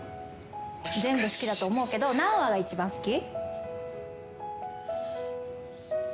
全部好きだと思うけど何話が一番好き？